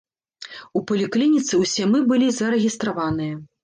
У паліклініцы ўсе мы былі зарэгістраваныя.